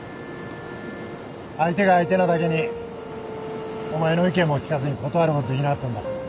相手が相手なだけにお前の意見も聞かずに断ることできなかったんだ。